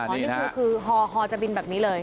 นี่คือคือฮอจะบินแบบนี้เลย